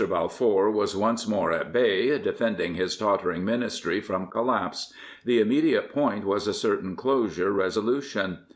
Balfour was once more at bay, defending his tottering Ministry from collapse. The immediate point was a certain closure resolution.